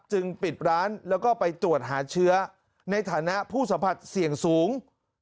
ปิดร้านแล้วก็ไปตรวจหาเชื้อในฐานะผู้สัมผัสเสี่ยงสูง